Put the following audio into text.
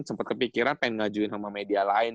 sempet kepikiran pengen ngajuin sama media lain